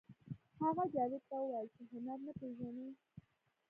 هغه جاوید ته وویل چې هنر نه پېژنئ